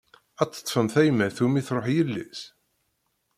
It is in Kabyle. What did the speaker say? Ad teṭfem tayemmat umi truḥ yelli-s?